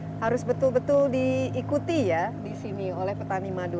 dan sistem yang harus betul betul diikuti ya di sini oleh petani madu